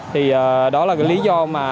thì đó là cái lý do mà